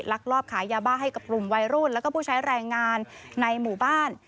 ลักลอบขายยาบ้าให้กับกลุ่มวัยรุ่นแล้วก็ผู้ใช้แรงงานในหมู่บ้าน